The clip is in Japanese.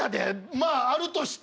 まぁ、あるとして。